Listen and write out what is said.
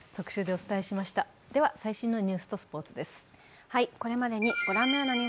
では、最新のニュースとスポーツです。